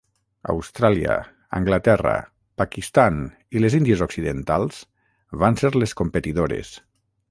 Austràlia, Anglaterra, Pakistan i les Índies Occidentals van ser les competidores.